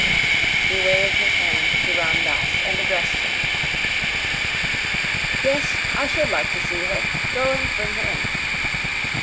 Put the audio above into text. He waved his hand to Ram Dass, and addressed him. "Yes, I should like to see her. Go and bring her in."